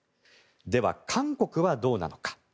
では韓国はどうなのか。